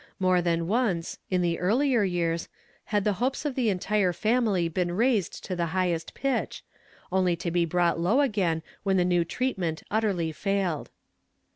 More than onee, in the earher yeare, !„„! the hopes of the entire fan, ily heen rai.se,! to the hij; he.st pitch, only to 1 hrought ,nv again wl.ea the now treatment Utterly iuiled.